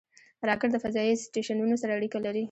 راکټ د فضایي سټیشنونو سره اړیکه لري